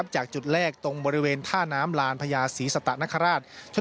จากจุดแรกตรงบริเวณท่าน้ำลานพญาศรีสตะนคราช